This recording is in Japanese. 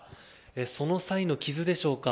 その際の傷でしょうか。